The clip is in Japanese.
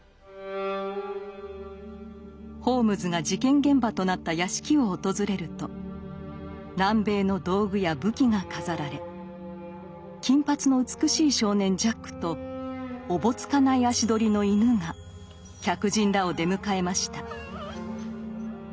ホームズが事件現場となった屋敷を訪れると南米の道具や武器が飾られ金髪の美しい少年ジャックとおぼつかない足取りの犬が客人らを出迎えました。